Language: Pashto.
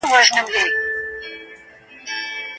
پر روغتونونو بریدونه څه پایلي لري؟